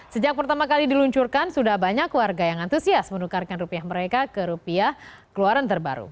sejak pertama kali diluncurkan sudah banyak warga yang antusias menukarkan rupiah mereka ke rupiah keluaran terbaru